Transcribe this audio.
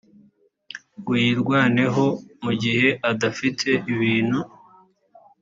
ngo yirwaneho mu gihe adafite ibintu